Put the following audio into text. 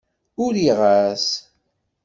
Uriɣ-as.